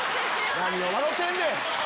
何を笑うてんねん！